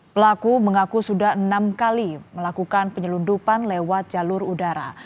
pelaku mengaku sudah enam kali melakukan penyelundupan lewat jalur udara